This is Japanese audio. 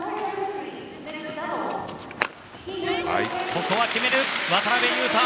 ここは決めた渡辺勇大！